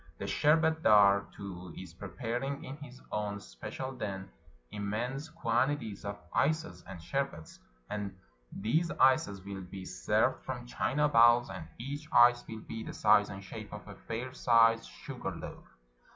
The sherbet dar, too, is preparing in his own especial den im mense quantities of ices and sherbets ; and these ices will be served from china bowls, and each ice will be the size and shape of a fair sized sugar loaf.